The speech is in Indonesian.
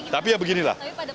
tapi ya beginilah